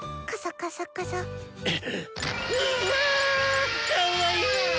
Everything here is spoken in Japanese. かわいい！